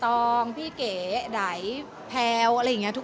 ต๋องเข็มพี่เหงได๋เผือวอะไรอย่างงี้นะ